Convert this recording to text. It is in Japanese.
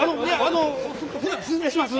ほな失礼します。